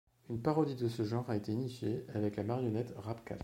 Une parodie de ce genre a été initiée avec la marionnette Rap Cat.